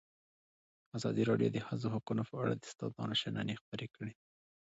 ازادي راډیو د د ښځو حقونه په اړه د استادانو شننې خپرې کړي.